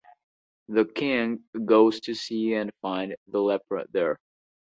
The king goes to see and find the leper there.